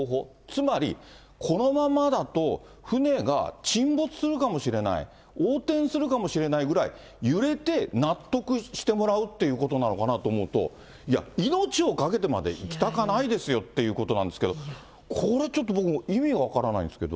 つまりこのままだと、船が沈没するかもしれない、横転するかもしれないぐらい揺れて納得してもらうっていうことなのかなと思うと、いや、命をかけてまで行きたかないですよっていうことなんですけど、これちょっと僕、意味が分からないんですけ